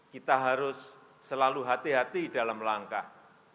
kita harus selalu hati hati dalam langkah